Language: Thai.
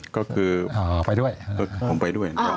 ก็คือผมไปด้วย